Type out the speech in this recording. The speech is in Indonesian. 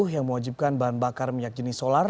yang mewajibkan bahan bakar minyak jenis solar